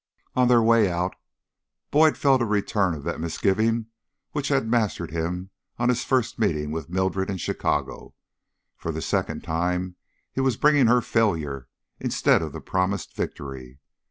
On their way out, Boyd felt a return of that misgiving which had mastered him on his first meeting with Mildred in Chicago. For the second time he was bringing her failure instead of the promised victory.